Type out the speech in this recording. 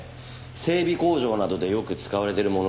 整備工場などでよく使われてるもののようです。